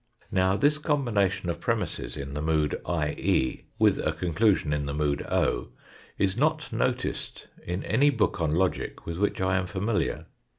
Now this combination of premisses in the mood IE, with a conclusion in the mood o, is not noticed in any book on logic with which I am familiar.